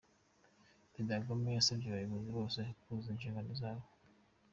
Perezida Kagame yasabye abayobozi bose kuzuzuza inshingano zabo.